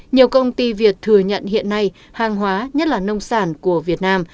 nhiều công ty việt thừa nhận hiện nay hàng hóa nhất là nông sản của việt nam